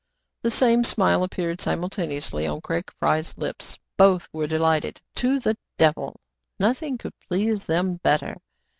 The same smile appeared simultaneously on Craig Fry*s lips. Both were delighted !" To the devil !" Nothing could please them better.